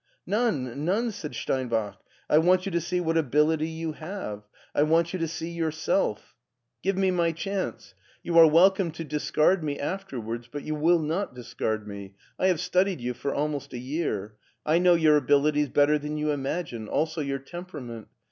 "None, none," said Steinbach. "I want you to see what ability you have. I want you to see yourself. 124 MARTIN SCHULER Give me my chance; you are welcome. to discard me afterwards, but you will not discard me. I have stud ied you for almost a year ; I know your abilities better than you imagine, also your temperament.